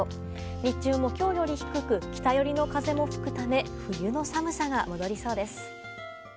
日中も今日より低く北寄りの風も吹くため冬の寒さが戻りそうです。